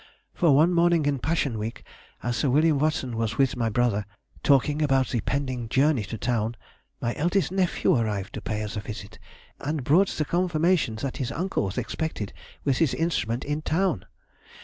For one morning in Passion week, as Sir William Watson was with my brother, talking about the pending journey to town, my eldest nephew arrived to pay us a visit, and brought the confirmation that his uncle was expected with his instrument in town.